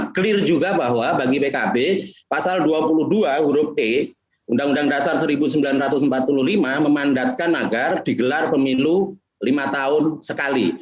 clear juga bahwa bagi pkb pasal dua puluh dua huruf e undang undang dasar seribu sembilan ratus empat puluh lima memandatkan agar digelar pemilu lima tahun sekali